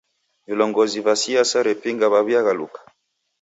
Vilongozi va siasa repinga vaw'iaghaluka.